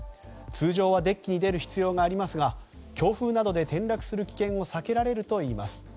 通常はデッキに出る必要がありますが強風などで転落する危険を避けられるといいます。